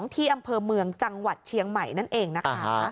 ที่อำเภอเมืองจังหวัดเชียงใหม่นั่นเองนะคะ